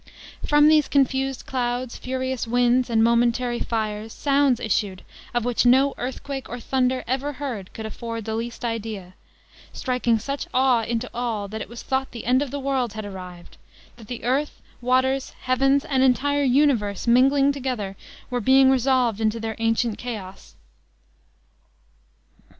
From these confused clouds, furious winds, and momentary fires, sounds issued, of which no earthquake or thunder ever heard could afford the least idea; striking such awe into all, that it was thought the end of the world had arrived, that the earth, waters, heavens, and entire universe, mingling together, were being resolved into their ancient chaos.